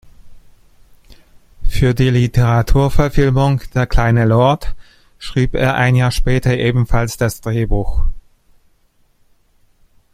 Für die Literaturverfilmung "Der kleine Lord" schrieb er ein Jahr später ebenfalls das Drehbuch.